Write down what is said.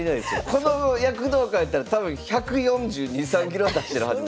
この躍動感やったら多分１４２１４３キロは出してるはず。